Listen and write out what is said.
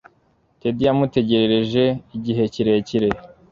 ted yamutegereje igihe kirekire